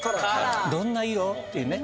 どんな色？っていうね。